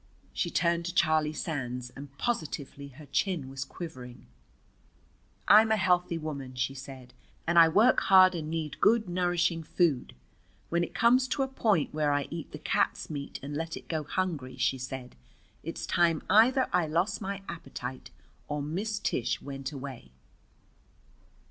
She turned to Charlie Sands, and positively her chin was quivering. "I'm a healthy woman," she said, "and I work hard and need good nourishing food. When it's come to a point where I eat the cat's meat and let it go hungry," she said, "it's time either I lost my appetite or Miss Tish went away."